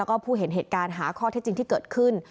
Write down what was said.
แล้วก็ผู้เห็นเหตุการณ์หาข้อเท็จจริงที่เกิดขึ้น